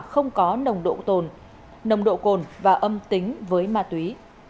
không có nồng độ cồn và âm tính với ma túy